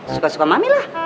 suka suka mami lah